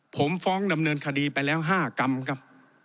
ผมฟ้องดำเนินคดีไปแล้ว๕กรรมครับ